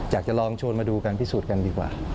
อยากจะลองชวนมาดูการพิสูจน์กันดีกว่า